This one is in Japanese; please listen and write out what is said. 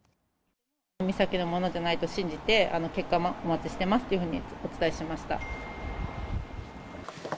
美咲のものじゃないと信じて、結果をお待ちしていますというふうにお伝えしました。